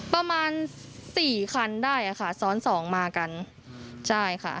ประมาณสี่คันได้อ่ะค่ะซ้อนสองมากันใช่ค่ะ